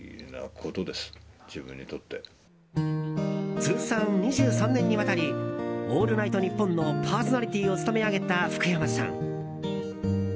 通算２３年にわたり「オールナイトニッポン」のパーソナリティーを務め上げた福山さん。